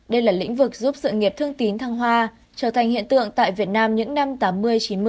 đây là lĩnh vực giúp sự nghiệp thương tín thăng hoa trở thành hiện tượng tại việt nam những năm tám mươi chín mươi